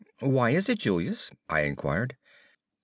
"Why is it, Julius?" I inquired.